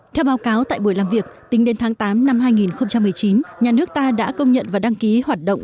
theo báo cáo tại buổi làm việc tính đến tháng tám năm hai nghìn một mươi chín nhà nước ta đã công nhận và đăng ký hoạt động